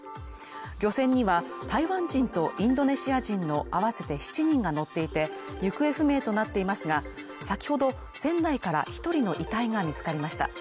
漁船には台湾人とインドネシア人の合わせて７人が乗っていて行方不明となっていますが、先ほど船内から１人の遺体が見つかりました。